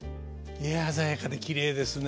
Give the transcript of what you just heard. いや鮮やかできれいですね。